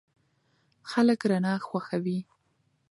خلک رڼا خوښوي.